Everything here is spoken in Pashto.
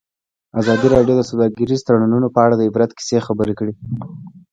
ازادي راډیو د سوداګریز تړونونه په اړه د عبرت کیسې خبر کړي.